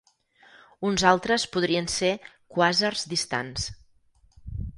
Uns altres podrien ser quàsars distants.